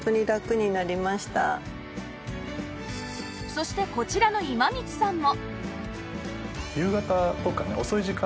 そしてこちらの今道さんも